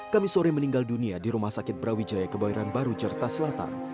kami sore meninggal dunia di rumah sakit brawijaya kebairan baru jerta selatan